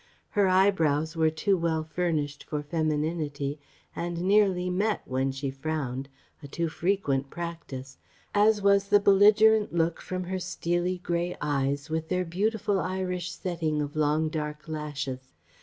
Her eyebrows were too well furnished for femininity and nearly met when she frowned a too frequent practice, as was the belligerent look from her steely grey eyes with their beautiful Irish setting of long dark lashes.